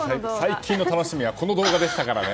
最近の楽しみはこの動画でしたからね。